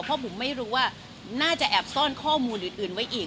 เพราะบุ๋มไม่รู้ว่าน่าจะแอบซ่อนข้อมูลอื่นไว้อีก